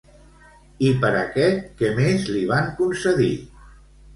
I per aquest, que més li van concedir?